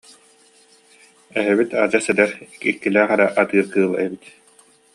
Эһэбит адьас эдэр, иккилээх эрэ атыыр кыыл эбит